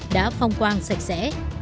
đã phong quang sạch sẽ